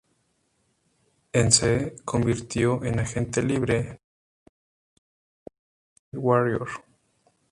En se convirtió en agente libre, negociando su traspaso a Golden State Warriors.